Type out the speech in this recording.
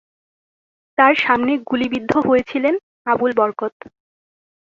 তার সামনে গুলিবিদ্ধ হয়েছিলেন আবুল বরকত।